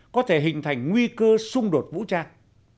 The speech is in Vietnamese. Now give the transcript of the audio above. có thể hình thành nguy cơ xung đột vũ trang